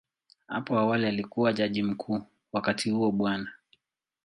Hapo awali alikuwa Jaji Mkuu, wakati huo Bw.